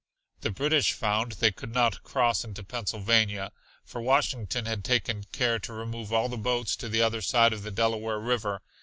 The British found they could not cross into Pennsylvania, for Washington had taken care to remove all the boats to the other side of the Delaware River.